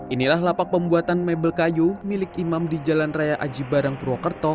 inilah lapak pembuatan mebel kayu milik imam di jalan raya aji barang purwokerto